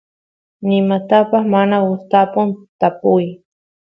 nimatapas mana gustapun tapuy